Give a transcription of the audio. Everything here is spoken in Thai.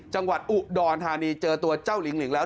จังหวัดอุดรธานีเจอตัวเจ้าหลิงหลิงแล้ว